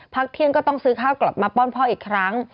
เที่ยงก็ต้องซื้อข้าวกลับมาป้อนพ่ออีกครั้ง